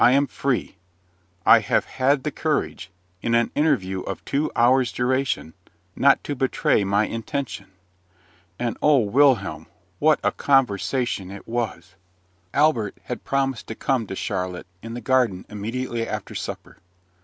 I am free. I have had the courage, in an interview of two hours' duration, not to betray my intention. And O Wilhelm, what a conversation it was! Albert had promised to come to Charlotte in the garden immediately after supper.